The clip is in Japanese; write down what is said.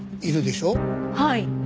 はい。